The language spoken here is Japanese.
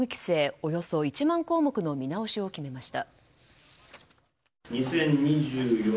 およそ１万項目の見直しを決めました。